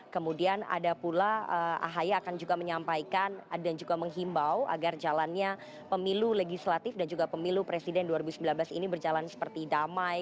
kemudian ada pula ahy akan juga menyampaikan dan juga menghimbau agar jalannya pemilu legislatif dan juga pemilu presiden dua ribu sembilan belas ini berjalan seperti damai